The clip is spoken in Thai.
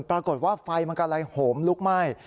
ปรากฏว่าไฟมันกำลังโหมลุกไหม้